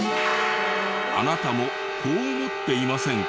あなたもこう思っていませんか？